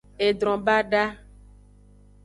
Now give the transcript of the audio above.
Edron bada.